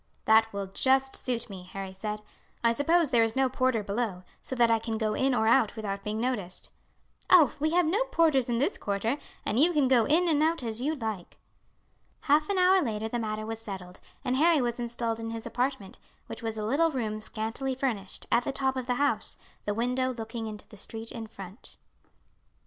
"That will just suit me," Harry said. "I suppose there is no porter below, so that I can go in or out without being noticed." "Oh, we have no porters in this quarter, and you can go in and out as you like." Half an hour later the matter was settled, and Harry was installed in his apartment, which was a little room scantily furnished, at the top of the house, the window looking into the street in front.